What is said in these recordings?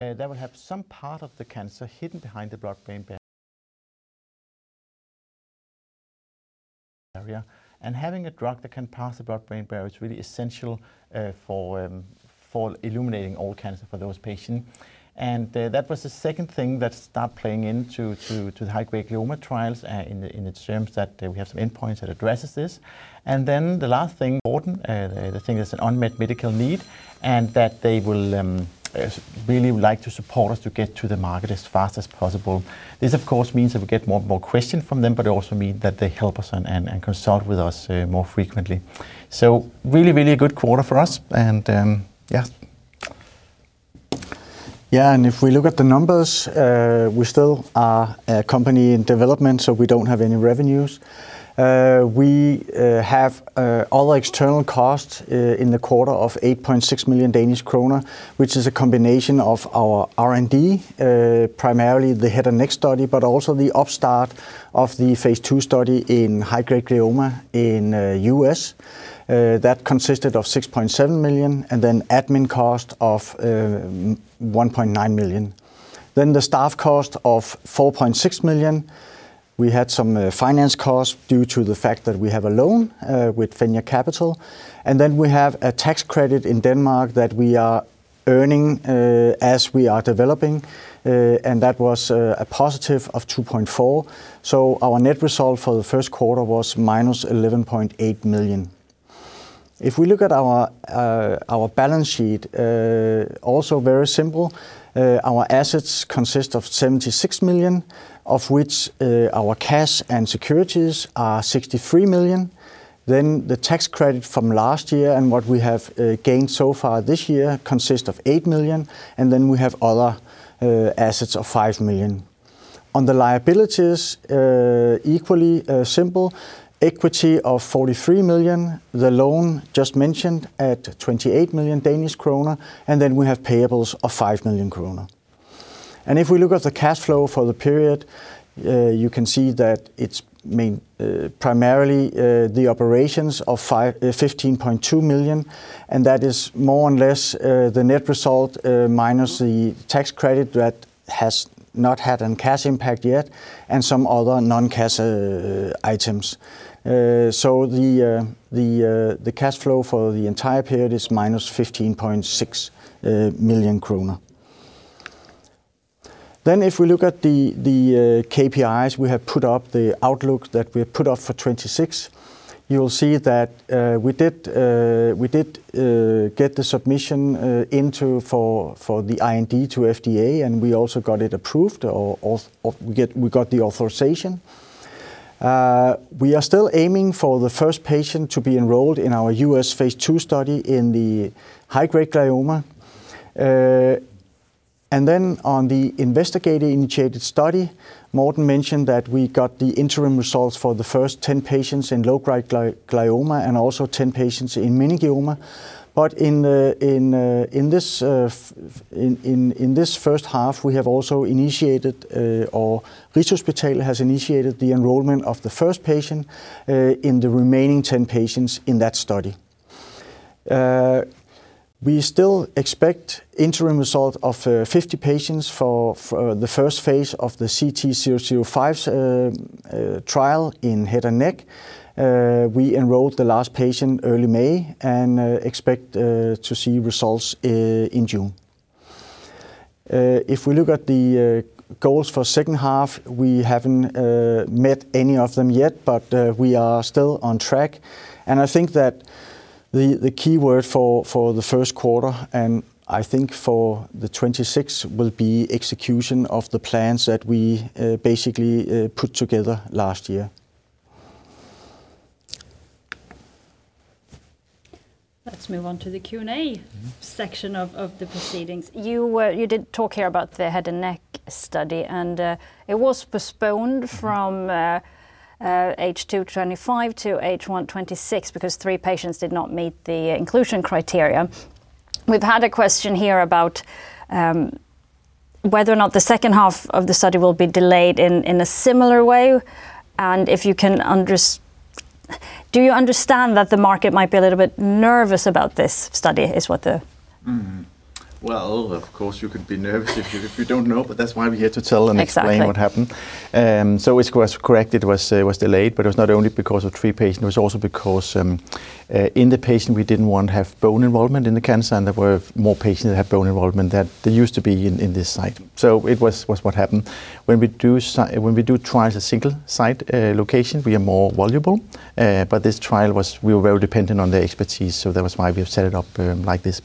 That will have some part of the cancer hidden behind the blood-brain barrier. Having a drug that can pass the blood-brain barrier is really essential for illuminating all cancer for those patients. That was the second thing that started playing into the high-grade glioma trials in the terms that we have some endpoints that addresses this. The last thing, Morten, the thing that's an unmet medical need, and that they will really like to support us to get to the market as fast as possible. This of course means that we get more questions from them, but it also means that they help us and consult with us more frequently. Really, really a good quarter for us. If we look at the numbers, we still are a company in development. We don't have any revenues. We have other external costs in the quarter of 8.6 million Danish kroner, which is a combination of our R&D, primarily the head and neck study, but also the up start of the phase II study in high-grade glioma in the U.S. That consisted of 6.6 million. Admin cost of 1.9 million. The staff cost of 4.6 million. We had some finance costs due to the fact that we have a loan with Fenja Capital. We have a tax credit in Denmark that we are earning as we are developing, that was a positive of 2.4 million. Our net result for the first quarter was -11.8 million. If we look at our balance sheet, also very simple. Our assets consist of 76 million, of which our cash and securities are 63 million. The tax credit from last year and what we have gained so far this year consists of 8 million, and we have other assets of 5 million. On the liabilities, equally simple, equity of 43 million, the loan just mentioned at 28 million Danish kroner, and we have payables of 5 million kroner. If we look at the cash flow for the period, you can see that it's primarily the operations of 15.2 million, and that is more or less the net result, minus the tax credit that has not had any cash impact yet, and some other non-cash items. The cash flow for the entire period is -15.6 million kroner. If we look at the KPIs, we have put up the outlook that we have put up for 2026. You will see that we did get the submission into for the IND to FDA, we also got it approved, or we got the authorization. We are still aiming for the first patient to be enrolled in our U.S. phase II study in the high-grade glioma. On the investigator-initiated study, Morten mentioned that we got the interim results for the first 10 patients in low-grade glioma and also 10 patients in meningioma. In this first half, we have also initiated, or Rigshospitalet has initiated the enrollment of the first patient in the remaining 10 patients in that study. We still expect interim result of 50 patients for the first phase of the CT-005 trial in head and neck. We enrolled the last patient early May and expect to see results in June. If we look at the goals for second half, we haven't met any of them yet, but we are still on track, and I think that the key word for the first quarter and I think for 2026 will be execution of the plans that we basically put together last year. Let's move on to the Q&A section of the proceedings. You did talk here about the head and neck study. It was postponed from H2 2025 to H1 2026 because three patients did not meet the inclusion criteria. We've had a question here about whether or not the second half of the study will be delayed in a similar way. Do you understand that the market might be a little bit nervous about this study? Well, of course you could be nervous if you don't know, but that's why we're here to tell and explain what happened. Exactly. It was correct, it was delayed, but it was not only because of three patients, it was also because in the patient we didn't want to have bone involvement in the cancer, and there were more patients that have bone involvement than there used to be in this site. It was what happened. When we do trials at a single site location, we are more vulnerable. This trial, we were very dependent on their expertise, so that was why we have set it up like this.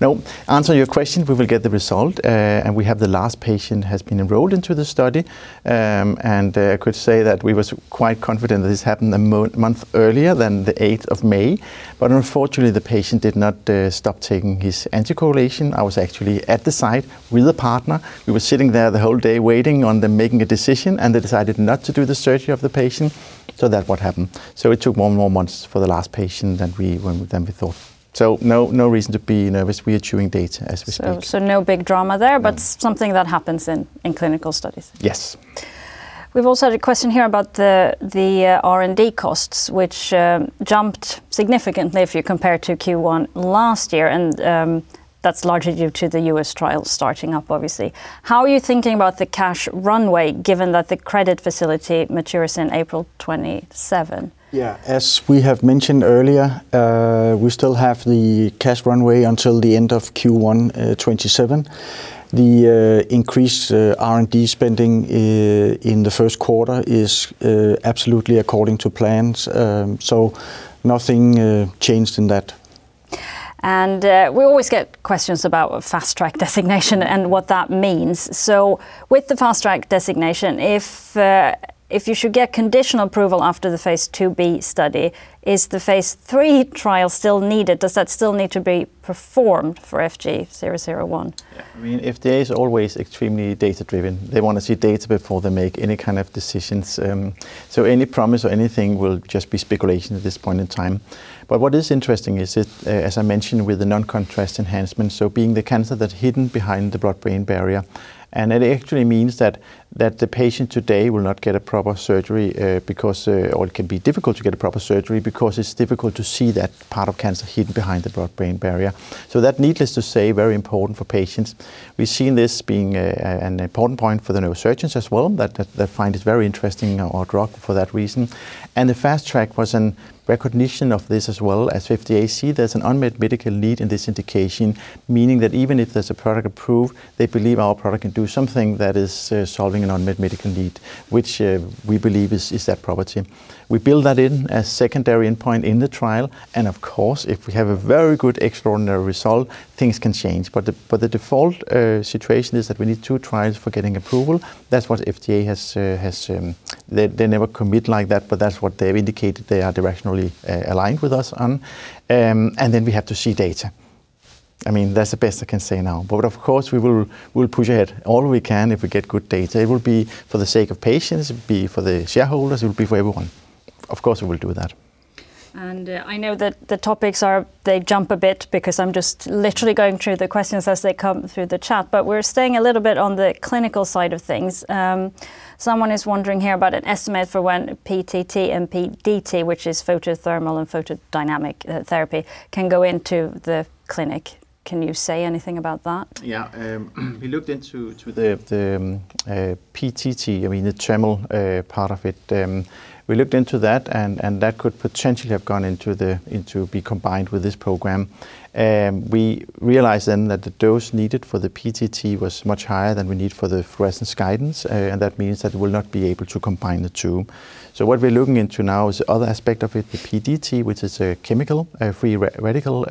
Now, answer your question, we will get the result, and we have the last patient has been enrolled into the study, and I could say that we was quite confident that this happened a month earlier than the 8th of May. Unfortunately, the patient did not stop taking his anticoagulation. I was actually at the site with a partner. We were sitting there the whole day waiting on them making a decision. They decided not to do the surgery of the patient. That what happened. It took one more month for the last patient than we thought. No reason to be nervous. We are chewing data as we speak. No big drama there, but something that happens in clinical studies. Yes. We've also had a question here about the R&D costs, which jumped significantly if you compare to Q1 last year. That's largely due to the U.S. trials starting up, obviously. How are you thinking about the cash runway, given that the credit facility matures in April 2027? Yeah. As we have mentioned earlier, we still have the cash runway until the end of Q1 2027. The increased R&D spending in the first quarter is absolutely according to plans, nothing changed in that. We always get questions about Fast Track designation and what that means. With the Fast Track designation, if you should get conditional approval after the phase IIb study, is the phase III trial still needed? Does that still need to be performed for FG001? FDA is always extremely data-driven. They want to see data before they make any kind of decisions. Any promise or anything will just be speculation at this point in time. What is interesting is, as I mentioned with the non-contrast enhancement, being the cancer that's hidden behind the blood-brain barrier, and it actually means that the patient today will not get a proper surgery or it can be difficult to get a proper surgery because it's difficult to see that part of cancer hidden behind the blood-brain barrier. That, needless to say, very important for patients. We've seen this being an important point for the neurosurgeons as well, that they find it very interesting, our drug, for that reason. The Fast Track was in recognition of this as well, as FDA see there's an unmet medical need in this indication, meaning that even if there's a product approved, they believe our product can do something that is solving an unmet medical need, which we believe is their priority. We build that in as secondary endpoint in the trial. Of course, if we have a very good, extraordinary result, things can change. The default situation is that we need two trials for getting approval. That's what FDA has. They never commit like that, but that's what they've indicated they are directionally aligned with us on. We have to see data. That's the best I can say now. Of course, we'll push ahead all we can if we get good data. It will be for the sake of patients, it will be for the shareholders, it will be for everyone. Of course, we will do that. I know that the topics are, they jump a bit because I'm just literally going through the questions as they come through the chat, but we're staying a little bit on the clinical side of things. Someone is wondering here about an estimate for when PTT and PDT, which is photothermal and photodynamic therapy, can go into the clinic. Can you say anything about that? Yeah. We looked into the PTT, the thermal part of it. We looked into that could potentially have gone into be combined with this program. We realized that the dose needed for the PTT was much higher than we need for the fluorescence guidance, that means that we'll not be able to combine the two. What we're looking into now is the other aspect of it, the PDT, which is a chemical, a free radical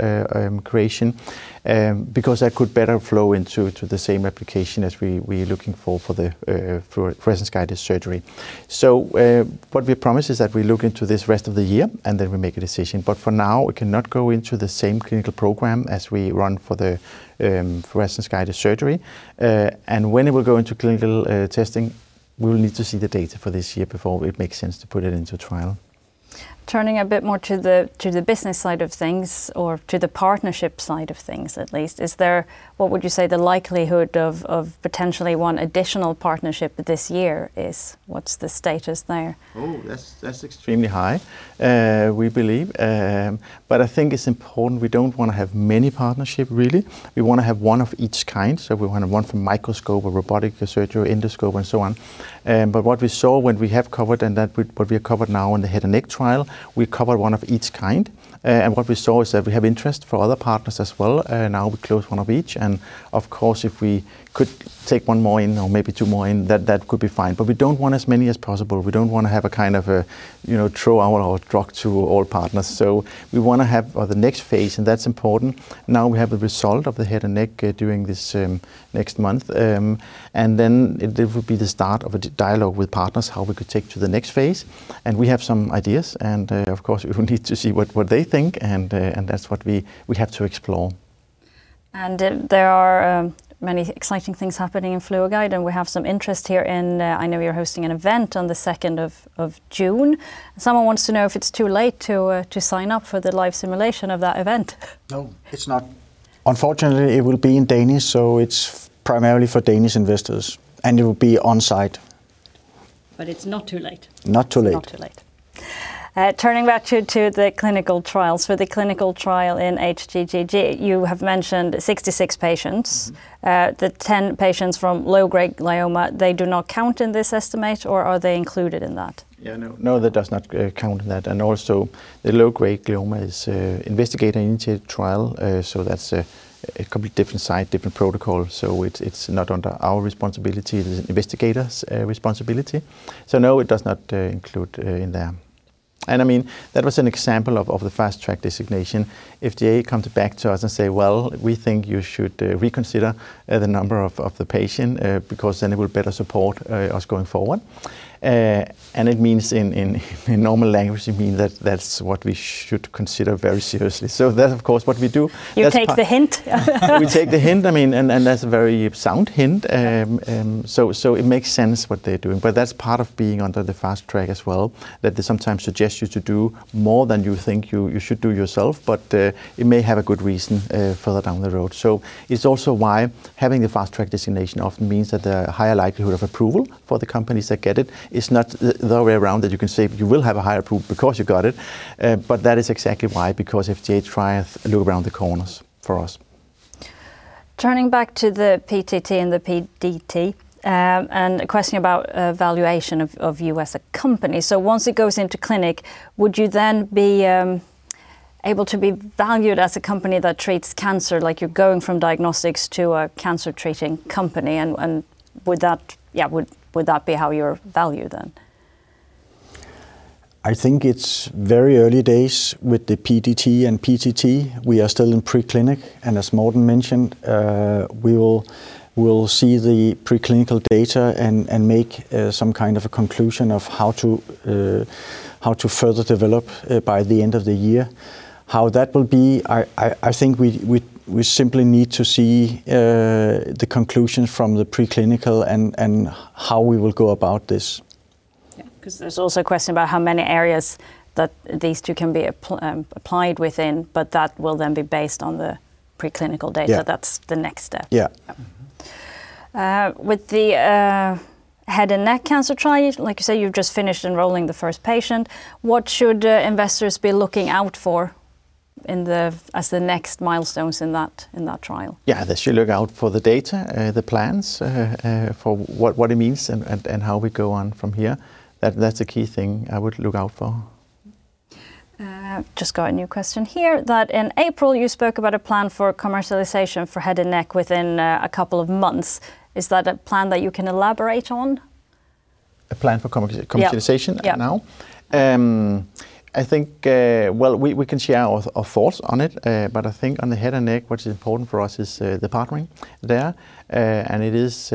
creation, because that could better flow into the same application as we're looking for the fluorescence-guided surgery. What we promise is that we look into this rest of the year, we make a decision. For now, it cannot go into the same clinical program as we run for the fluorescence-guided surgery. When it will go into clinical testing, we will need to see the data for this year before it makes sense to put it into a trial. Turning a bit more to the business side of things, or to the partnership side of things, at least. What would you say the likelihood of potentially one additional partnership this year is? What is the status there? Oh, that's extremely high, we believe. I think it's important, we don't want to have many partnership really. We want to have one of each kind, so we want to have one for microscope, a robotic surgery, endoscope, and so on. What we saw when we have covered and that what we are covered now in the head and neck trial, we cover one of each kind. What we saw is that we have interest for other partners as well. Now we close one of each, and of course, if we could take one more in or maybe two more in, that could be fine. We don't want as many as possible. We don't want to have a kind of a throw our drug to all partners. We want to have the next phase, and that's important. Now we have the result of the head and neck during this next month. Then it will be the start of a dialogue with partners, how we could take to the next phase. We have some ideas. Of course, we need to see what they think, and that's what we have to explore. There are many exciting things happening in FluoGuide, and we have some interest here in I know you're hosting an event on the 2nd of June. Someone wants to know if it's too late to sign up for the live simulation of that event. No, it's not. Unfortunately, it will be in Danish, so it's primarily for Danish investors, and it will be on-site. It's not too late. Not too late. Not too late. Turning back to the clinical trials. For the clinical trial in HGG, you have mentioned 66 patients. The 10 patients from low-grade glioma, they do not count in this estimate, or are they included in that? Yeah, no, that does not count in that. No, the low-grade glioma is investigator-initiated trial, that's a completely different site, different protocol. It's not under our responsibility, it is investigator's responsibility. No, it does not include in there. That was an example of the Fast Track designation. FDA comes back to us and say, "Well, we think you should reconsider the number of the patient, because it will better support us going forward." It means, in normal language, it means that that's what we should consider very seriously. That, of course, what we do. You take the hint. We take the hint. That's a very sound hint. Yeah. It makes sense what they're doing. That's part of being under the Fast Track as well, that they sometimes suggest you to do more than you think you should do yourself, but it may have a good reason further down the road. It's also why having the Fast Track designation often means that the higher likelihood of approval for the companies that get it is not the other way around, that you can say you will have a higher approval because you got it. That is exactly why, because FDA try to look around the corners for us. Turning back to the PTT and the PDT, a question about valuation of you as a company. Once it goes into clinic, would you then be able to be valued as a company that treats cancer? You're going from diagnostics to a cancer treating company, would that be how you're valued then? I think it's very early days with the PDT and PTT. We are still in pre-clinic, and as Morten mentioned, we will see the pre-clinical data and make some kind of a conclusion of how to further develop by the end of the year. How that will be, I think we simply need to see the conclusions from the pre-clinical and how we will go about this. Yeah. There's also a question about how many areas that these two can be applied within. That will then be based on the pre-clinical data. Yeah That's the next step. Yeah. With the head and neck cancer trial, like you say, you've just finished enrolling the first patient, what should investors be looking out for as the next milestones in that trial? Yeah. They should look out for the data, the plans for what it means and how we go on from here. That's a key thing I would look out for. Just got a new question here, that in April you spoke about a plan for commercialization for head and neck within a couple of months. Is that a plan that you can elaborate on? A plan for commercialization. Yeah now? Yeah. I think, well, we can share our thoughts on it, but I think on the head and neck, what is important for us is the partnering there. It is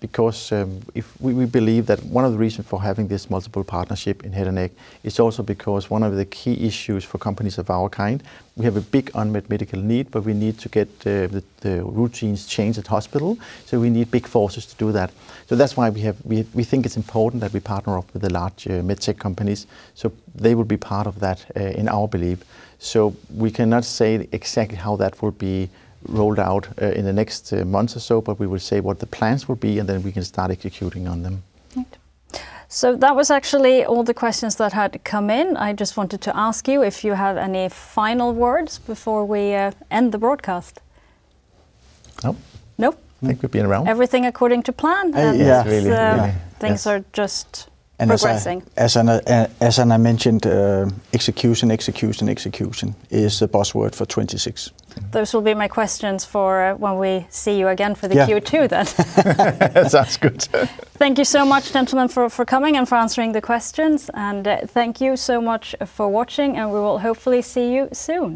because we believe that one of the reasons for having this multiple partnership in head and neck is also because one of the key issues for companies of our kind, we have a big unmet medical need, but we need to get the routines changed at hospital, so we need big forces to do that. That's why we think it's important that we partner up with the large medtech companies, so they will be part of that in our belief. We cannot say exactly how that will be rolled out in the next months or so, but we will say what the plans will be, and then we can start executing on them. Right. That was actually all the questions that had come in. I just wanted to ask you if you have any final words before we end the broadcast. No. No? I think we've been around. Everything according to plan. Yeah. Really. Things are just progressing. As I mentioned, execution, execution is the buzzword for 2026. Those will be my questions for when we see you again. Yeah Q2 then. Sounds good. Thank you so much, gentlemen, for coming and for answering the questions. Thank you so much for watching, and we will hopefully see you soon